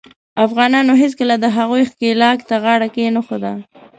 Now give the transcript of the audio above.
افغانانو هیڅکله د هغوي ښکیلاک ته غاړه کښېنښوده.